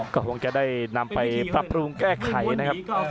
ก็คงจะได้นำไปปรับปรุงแก้ไขนะครับ